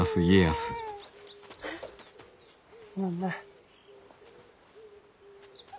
すまんな。